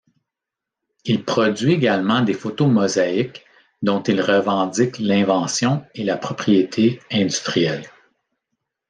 Il produit également des photomosaïques dont il revendique l'invention et la propriété industrielle.